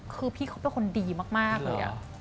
คือพี่คบแล้วคนดีมากเลยเลย